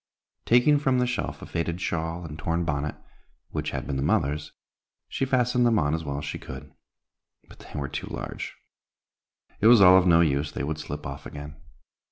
Taking from the shelf a faded shawl and torn bonnet, which had been the mother's, she fastened them on as well as she could. But they were too large; it was all of no use, they would slip off again.